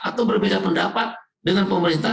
atau berbeda pendapat dengan pemerintah